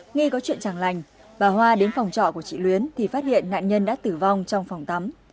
nghi có chuyện chàng lành bà hoa đến phòng trọ của chị luyến thì phát hiện nạn nhân đã tử vong trong phòng tắm